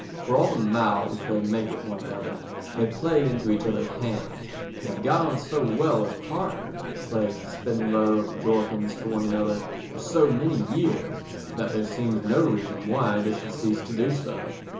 For all the mouths they make at one another they play into each other's hands and have got on so well as partners, playing Spenlow and Jorkins to one another, for so many years that there seems no reason why they should cease to do so.